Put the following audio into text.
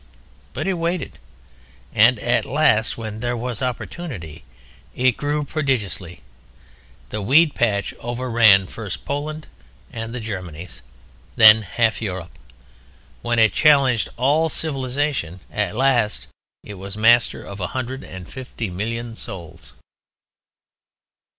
But it waited. And at last, when there was opportunity, it grew prodigiously. The weed patch over ran first Poland and the Germanies, then half Europe. When it challenged all civilization at last it was master of a hundred and fifty million souls.